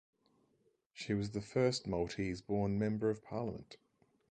She was the first Maltese-born Member of Parliament.